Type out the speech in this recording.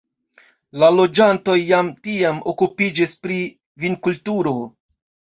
La loĝantoj jam tiam okupiĝis pri vinkulturo.